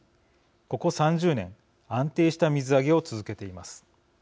ここ３０年安定した水揚げを続けています。